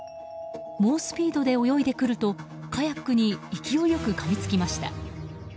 猛スピードで泳いでくるとカヤックに勢いよくかみつきました。